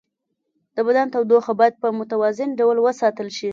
د بدن تودوخه باید په متوازن ډول وساتل شي.